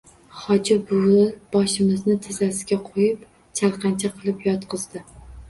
Hoji buvi boshimni tizzasiga qo‘yib chalqancha qilib yotqizdi.